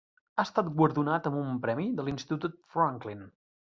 Ha estat guardonat amb un premi de l'Institut Franklin.